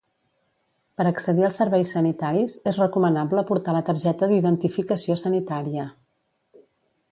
Per accedir als serveis sanitaris, és recomanable portar la targeta d'identificació sanitària.